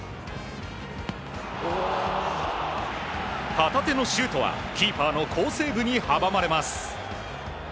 旗手のシュートはキーパーの好セーブに阻まれます。